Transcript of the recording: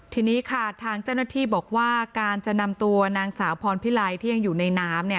ทีนี้ค่ะทางเจ้าหน้าที่บอกว่าการจะนำตัวนางสาวพรพิไลที่ยังอยู่ในน้ำเนี่ย